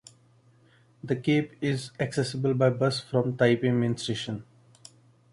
The cape is accessible by bus from Taipei Main Station.